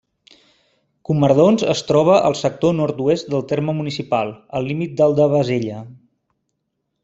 Comardons es troba al sector nord-oest del terme municipal, al límit del de Bassella.